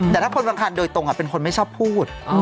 แต่ถ้าคนบางคันโดยตรงเป็นคนไม่ชอบพูด